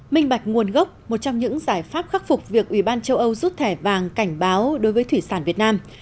minh bạch nguồn gốc một trong những giải pháp khắc phục việc ủy ban châu âu rút thẻ vàng cảnh báo đối với thủy sản việt nam